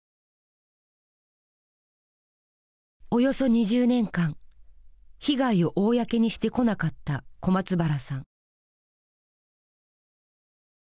およそ２０年間被害を公にしてこなかった小松原さん。